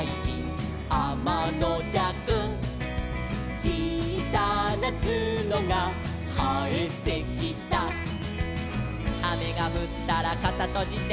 「ちいさなツノがはえてきた」「あめがふったらかさとじて」